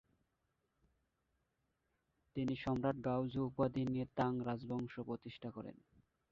তিনি সম্রাট গাওজু উপাধি নিয়ে তাং রাজবংশ প্রতিষ্ঠা করেন।